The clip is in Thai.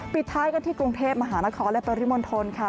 ปิดท้ายกันที่กรุงเทพมหานครและปริมณฑลค่ะ